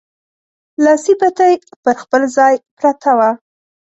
لاسي بتۍ پر خپل ځای پرته وه.